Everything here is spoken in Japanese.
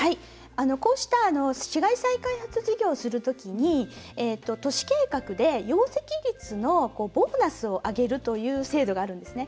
こうした市街再開発事業をする時に都市計画で容積率のボーナスを上げるという制度があるんですね。